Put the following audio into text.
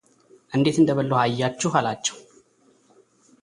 እንዴት እንደበላሁ አያችሁ አላቸው፡፡